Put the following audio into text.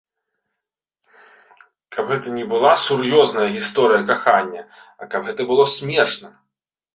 Каб гэта не была сур'ёзная гісторыя кахання, а каб гэта было смешна.